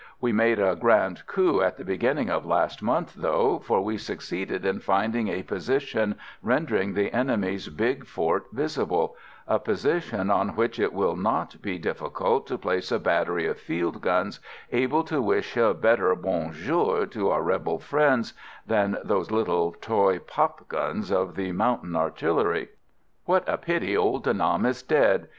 We made a grand coup at the beginning of last month, though, for we succeeded in finding a position rendering the enemy's big fort visible; a position on which it will not be difficult to place a battery of fieldguns, able to wish a better 'bonjour' to our rebel friends than those little toy pop guns of the mountain artillery. What a pity old De Nam is dead!